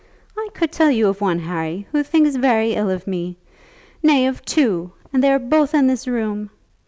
"I could tell you of one, Harry, who thinks very ill of me; nay, of two; and they are both in this room.